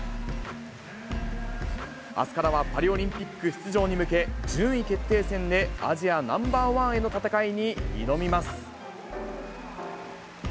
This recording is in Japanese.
あすからはパリオリンピック出場に向け、順位決定戦でアジアナンバー１への戦いに挑みます。